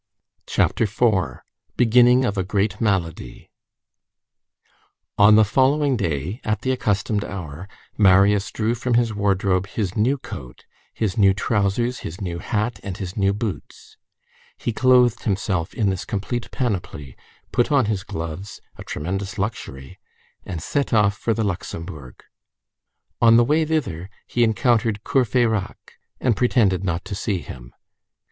CHAPTER IV—BEGINNING OF A GREAT MALADY On the following day, at the accustomed hour, Marius drew from his wardrobe his new coat, his new trousers, his new hat, and his new boots; he clothed himself in this complete panoply, put on his gloves, a tremendous luxury, and set off for the Luxembourg. On the way thither, he encountered Courfeyrac, and pretended not to see him.